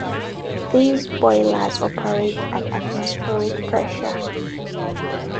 These boilers operate at atmospheric pressure.